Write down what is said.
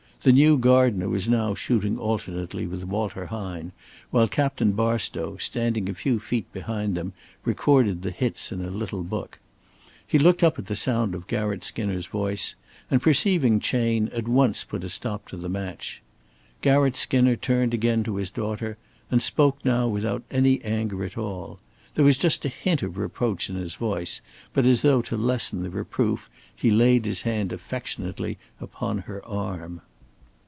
The new gardener was now shooting alternately with Walter Hine, while Captain Barstow, standing a few feet behind them, recorded the hits in a little book. He looked up at the sound of Garratt Skinner's voice and perceiving Chayne at once put a stop to the match. Garratt Skinner turned again to his daughter, and spoke now without any anger at all. There was just a hint of reproach in his voice, but as though to lessen the reproof he laid his hand affectionately upon her arm.